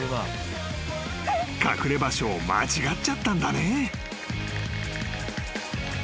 ［隠れ場所を間違っちゃったんだね］